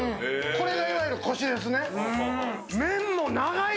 これがいわゆるコシですね。